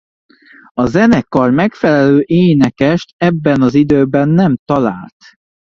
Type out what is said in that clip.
A zenekar megfelelő énekest ebben az időben nem talált.